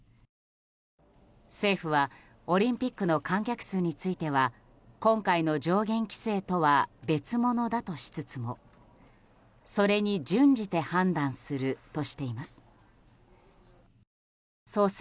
政府はオリンピックの観客数については今回の上限規制とは別物だとしつつもそれに準じて判断するとしています。